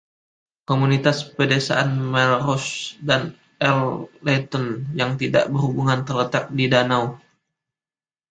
Komunitas pedesaan Melrose dan Earleton yang tidak berhubungan terletak di danau.